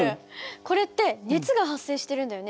これって熱が発生してるんだよね。